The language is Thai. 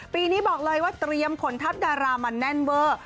ปีนี้บอกเลยว่าเตรียมขนทัพดารามาแน่นเวอร์